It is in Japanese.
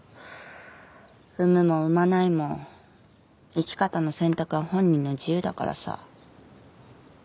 産むも産まないも生き方の選択は本人の自由だからさ。